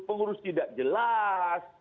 pengurus tidak jelas